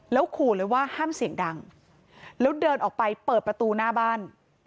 ขู่เลยว่าห้ามเสียงดังแล้วเดินออกไปเปิดประตูหน้าบ้าน